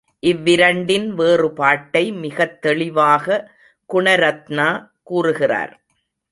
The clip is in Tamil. இவ்விரண்டின் வேறுபாட்டை மிகத் தெளிவாக குணரத்னா கூறுகிறார்.